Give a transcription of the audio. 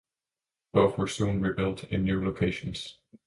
Both were soon rebuilt in new locations.